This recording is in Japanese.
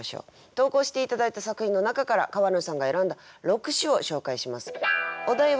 投稿して頂いた作品の中から川野さんが選んだ六首を紹介します。